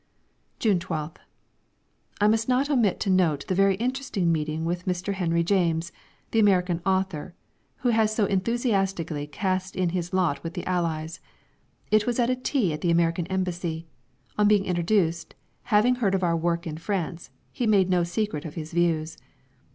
June 12th. I must not omit to note the very interesting meeting with Mr. Henry James the American author who has so enthusiastically cast in his lot with the Allies. It was at a tea at the American Embassy. On being introduced, having heard of our work in France, he made no secret of his views.